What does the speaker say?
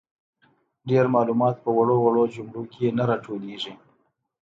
ډیر معلومات په وړو وړو جملو کي نه راټولیږي.